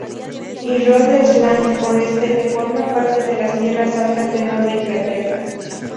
Y Rhode Island Oeste, que forma parte de las tierras altas de Nueva Inglaterra.